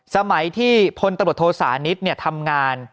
สมัยที่พลตำรวจโทษานิททำงาน